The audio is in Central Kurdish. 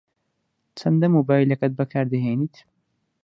چەندە مۆبایلەکەت بەکار دەهێنیت؟